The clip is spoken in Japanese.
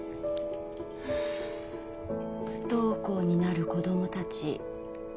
不登校になる子供たち。